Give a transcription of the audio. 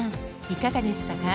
いかがでしたか？